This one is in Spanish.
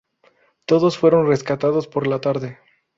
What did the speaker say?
Todos fueron rescatados por la tarde.